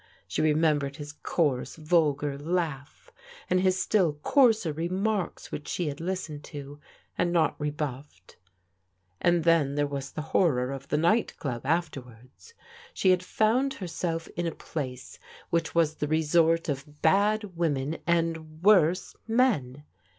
She remembered his coarse, vulgar laugh, and Vv\s ^\S\ cxwx^ia 244 PRODIGAL DAUGHTERS remarks which she had listened to, and not rebuffed And then there was the horror of the night club after wards. She had found herself in a place which was the resort of bad women and worse men.